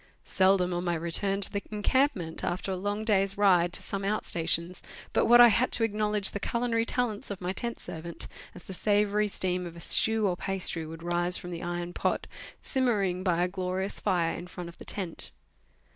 Seldom on my return to the encampment, after a long day's ride to some outrstations, but what I had to acknowledge the culinary talents of my tent servant, as the savoury steam of a stew or pastry would rise from the iron pot, simmering by a glorious fire in front of the tent.